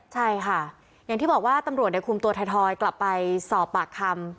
ใช่ค่ะอย่างที่บอกว่าตำรวจในคุมตัวถอยกลับไปสอบปากคำ